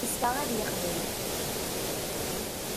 Azekka ad yexdem